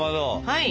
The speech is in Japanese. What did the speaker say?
はい。